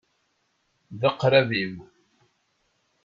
D aqrab-iw.